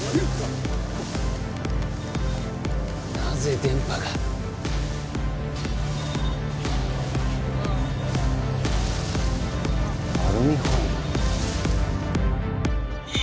なぜ電波がアルミホイル？